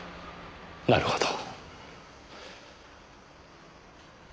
なるほど。